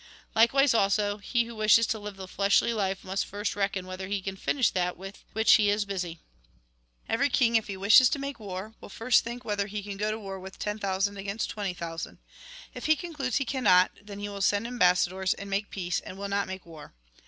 " Likewise also, he who wishes to live the fleshly life must first reckon whether he can finish that with which he is busy. " Every king, if he wishes to make war, will first think whether he can go to war with ten thousand against twenty thousand. If he concludes that he cannot, then he will send ambassadors, and make peace, and will not make war.